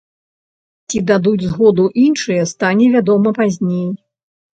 Ці дадуць згоду іншыя, стане вядома пазней.